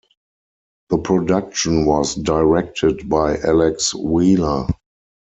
The production was directed by Alex Wheeler.